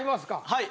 はい。